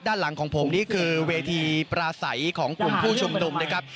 ด้านหลังของผมนี่คือเวทีปราศัยของกลุ่มผู้ชุมนุมนะครับ